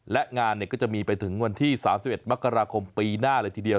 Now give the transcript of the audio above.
และงานก็จะมีไปถึงวันที่๓๑มกราคมปีหน้าเลยทีเดียว